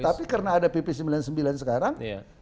tapi karena ada pp sembilan puluh sembilan sekarang